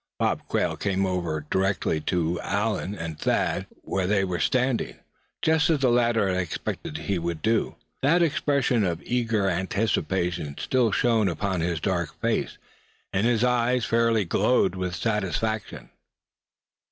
Bob Quail came directly over to where Allan and Thad were standing, just as the latter had expected he would do. That expression of eager anticipation still shone upon his dark face, and his eyes fairly glowed with satisfaction.